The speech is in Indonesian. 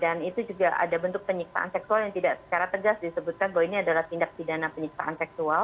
dan itu juga ada bentuk penyiksaan seksual yang tidak secara tegas disebutkan bahwa ini adalah tindak sidana penyiksaan seksual